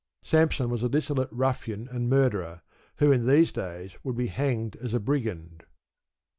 Samson was a dissolute ruffian and murderer, who in these days would be hanged as a brigand.